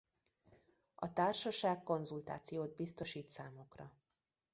A Társaság konzultációt biztosít számukra.